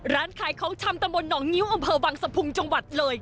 ร้านขายของชำตะบนหนองงิ้วอำเภอวังสะพุงจังหวัดเลย